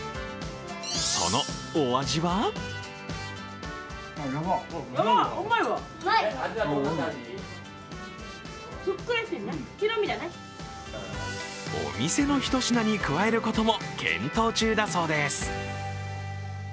そのお味はお店の一品に加えることも検討中だそうです。